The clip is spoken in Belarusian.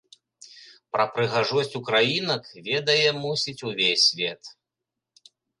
Пра прыгажосць украінак ведае, мусіць, увесь свет!